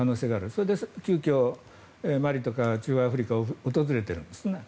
それで、急きょマリとか中央アフリカを訪れているんですね。